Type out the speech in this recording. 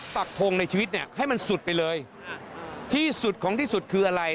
ปักทงในชีวิตเนี่ยให้มันสุดไปเลยที่สุดของที่สุดคืออะไร